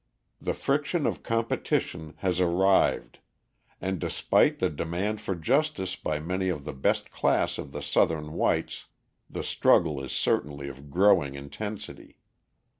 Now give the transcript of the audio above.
The friction of competition has arrived, and despite the demand for justice by many of the best class of the Southern whites, the struggle is certainly of growing intensity.